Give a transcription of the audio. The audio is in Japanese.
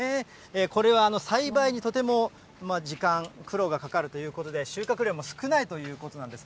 これは栽培にとても時間、苦労がかかるということで、収穫量も少ないということなんです。